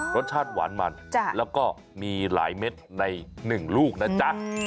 รสชาติหวานมันแล้วก็มีหลายเม็ดใน๑ลูกนะจ๊ะ